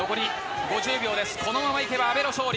このままいけば阿部の勝利。